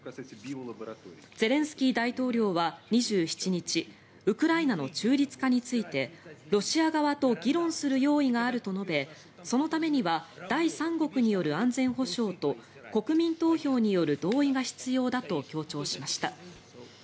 ゼレンスキー大統領は２７日ウクライナの中立化についてロシア側と議論する用意があると述べそのためには第三国による安全保障と国民投票による同意が必要だと強調しました。